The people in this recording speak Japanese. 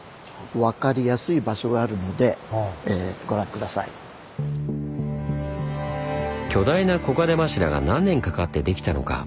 こちらにそれが巨大な黄金柱が何年かかってできたのか。